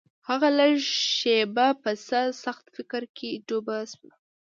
هغه لږه شېبه په څه سخت فکر کې ډوبه شوه.